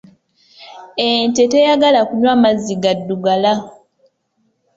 Ente teyagala kunywa mazzi gaddugala.